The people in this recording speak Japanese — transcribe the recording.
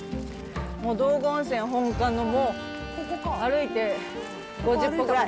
もう道後温泉本館の、もう歩いて５０歩ぐらい。